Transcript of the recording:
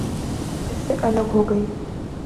اس سے الگ ہو گئی۔